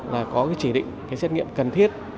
là có cái chỉ định cái xét nghiệm cần thiết